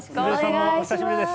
お久しぶりです。